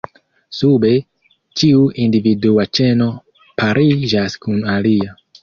Sube, ĉiu individua ĉeno pariĝas kun alia.